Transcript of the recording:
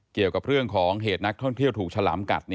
เกี่ยวกับเรื่องของเหตุนักท่องเที่ยวถูกฉลามกัด